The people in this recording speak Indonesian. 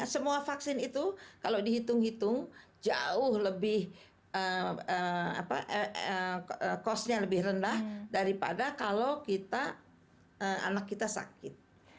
semua vaksin itu kalau dihitung hitung jauh lebih cost nya lebih rendah daripada kalau anak kita sakit